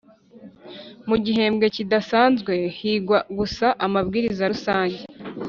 Mu gihembwe kidasanzwe higwa gusa amabwiriza rusange